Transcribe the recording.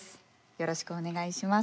よろしくお願いします。